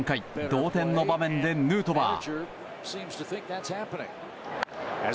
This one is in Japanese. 同点の場面でヌートバー。